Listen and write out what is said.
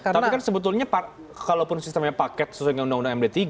tapi kan sebetulnya kalaupun sistemnya paket sesuai dengan undang undang md tiga